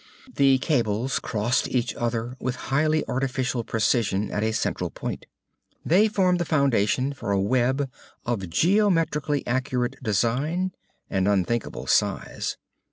The cables crossed each other with highly artificial precision at a central point. They formed the foundation for a web of geometrically accurate design and unthinkable size.